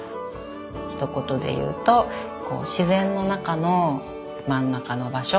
ひと言でいうとこう自然の中の真ん中の場所。